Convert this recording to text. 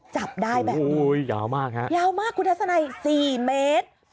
จับได้แบบนี้อู้ยยาวมากนะยาวมากคุณทัศน์ไหนสี่เมตร